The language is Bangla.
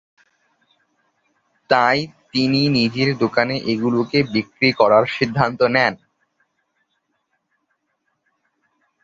তাই তিনি নিজের দোকানে এগুলোকে বিক্রি করার সিদ্ধান্ত নেন।